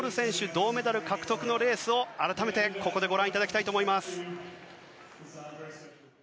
銅メダル獲得のレースを改めて、ここでご覧いただきたいと思います。